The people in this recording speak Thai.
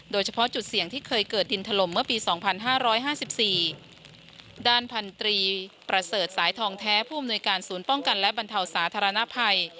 โดยเฉพาะจุดเสี่ยงที่เคยเกิดดินถล่มเมื่อปี๒๕๕๔ด้านพันตรีประเสริฐสายทองแท้ผู้อำนวยการศูนย์ป้องกันและบรรเทาสาธารณภัย